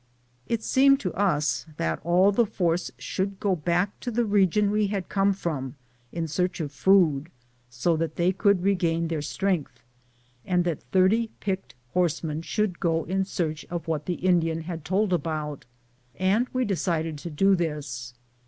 It seemed to us that all the force should go back to the region we had come from, in search of food, so that they could regain (heir strength, and that 30 picked horsemen should go in search of what the Indian had told about ; and we decided to do this.